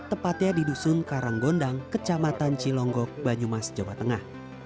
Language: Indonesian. tepatnya di dusun karanggondang kecamatan cilonggok banyumas jawa tengah